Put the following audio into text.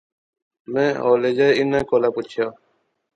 میں ہولے جئے انیں کولا پچھیا